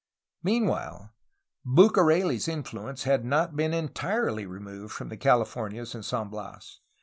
Meanwhile, Bucareh's influence had not been entirely removed from the CaHfornias and San Bias.